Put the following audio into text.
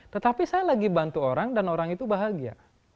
tetapi saya lagi bantu orang dan orang itu bahagia